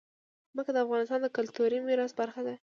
ځمکه د افغانستان د کلتوري میراث برخه ده.